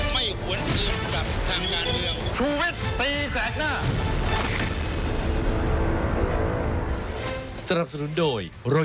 ไม่หวนเอียงกับทางยานเรือง